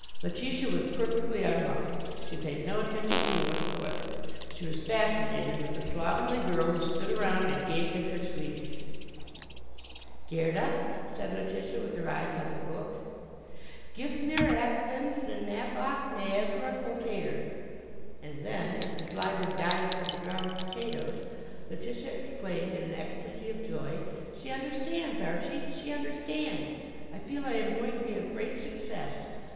Letitia was perfectly unruffled. She paid no attention to me whatsoever. She was fascinated with the slovenly girl, who stood around and gaped at her Swedish. "Gerda," said Letitia, with her eyes on the book, "Gif mir apven senap och nägra potäter." And then, as Miss Lyberg dived for the drowned potatoes, Letitia exclaimed in an ecstasy of joy, "She understands, Archie, she understands. I feel I am going to be a great success.